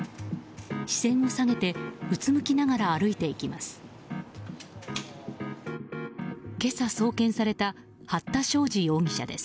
視線を下げてうつむきながら歩いていきます。